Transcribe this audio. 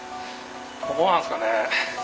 どうなんすかね。